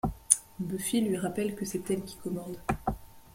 Buffy lui rappelle que c'est elle qui commande.